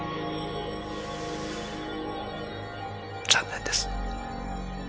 残念です。